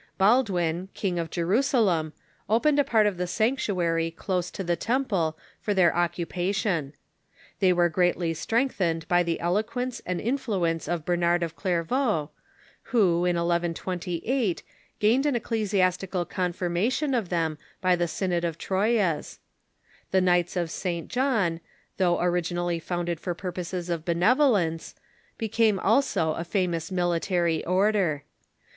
Baldwin, King of Jerusalem, opened a part of the sanctuary close to the temple for their occupa tion. They were greatly strengthened by the eloquence and influence of Bernard of Clairvaux, who, in 1128, gained an ecclesiastical confirmation of them by the Sj'nod of Troyes. The Knights of St. John, though originally founded for pur poses of benevolence, became also a famous military order.